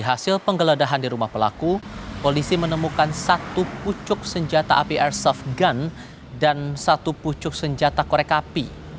hasil penggeledahan di rumah pelaku polisi menemukan satu pucuk senjata api airsoft gun dan satu pucuk senjata korek api